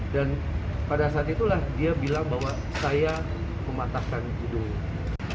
dan pada saat itulah dia bilang bahwa saya mematahkan hidungnya